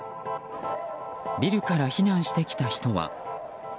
ビルから避難してきた人は。